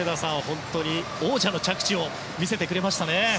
本当に、王者の着地を見せてくれましたね。